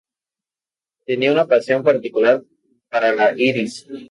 Tenía una pasión particular para las iris.